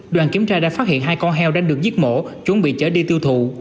đoàn kiểm tra đã phát hiện hai con heo đang được giết mổ chuẩn bị chở đi tiêu thụ